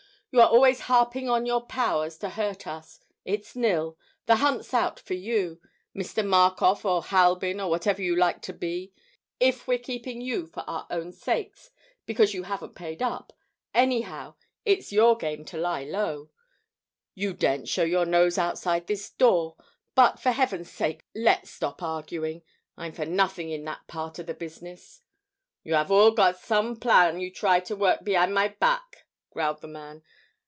"You're always harping on your power to hurt us. It's nil. The hunt's out for you, Mr. Markoff or Halbin, or whatever you like to be. If we're keeping you for our own sakes because you haven't paid up, anyhow it's your game to lie low. You daren't show your nose outside this door. But for heaven's sake, let's stop arguing. I'm for nothing in that part of the business." "You 'ave all got some plan you try to work behin' my back," growled the man.